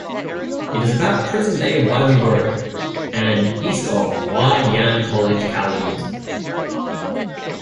It is about present-day Wylie Road and east of Wah Yan College, Kowloon.